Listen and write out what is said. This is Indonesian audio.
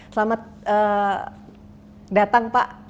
selamat datang pak